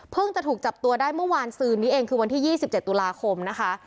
เพิ่งจะถูกจับตัวได้เมื่อวานซืนนี้เองคือวันที่ยี่สิบเจ็ดตุลาคมนะคะ